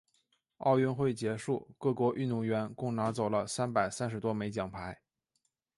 奥运会结束，各国运动员共拿走了三百三十多枚奖牌。